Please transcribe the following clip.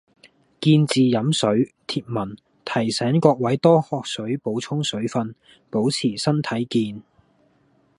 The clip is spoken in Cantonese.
「見字飲水」貼文，提醒各位多喝水補充水份，保持身體健